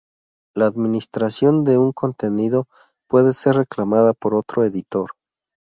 La administración de un contenido puede ser reclamada por otro editor.